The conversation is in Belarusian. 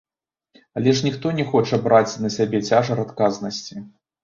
Але ж ніхто не хоча браць на сябе цяжар адказнасці.